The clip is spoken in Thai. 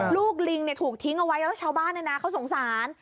ลูกลิงเนี่ยถูกทิ้งเอาไว้แล้วชาวบ้านเนี่ยนะเขาสงสาร